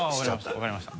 分かりました。